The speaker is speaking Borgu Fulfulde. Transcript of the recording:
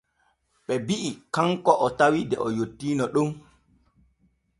Ɓe bi’i kanko o tawi de o yottiino ɗon.